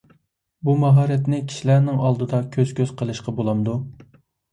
بۇ ماھارەتنى كىشىلەرنىڭ ئالدىدا كۆز - كۆز قىلىشقا بولامدۇ؟